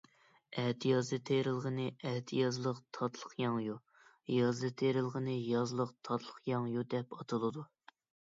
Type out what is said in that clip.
ئەتىيازدا تېرىلغىنى ئەتىيازلىق تاتلىقياڭيۇ، يازدا تېرىلغىنى يازلىق تاتلىقياڭيۇ دەپ ئاتىلىدۇ.